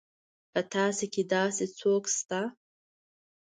په تاسي کې داسې څوک شته.